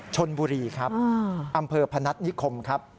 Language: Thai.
ชนบุรีครับอำเภอพนัฐนิคมครับ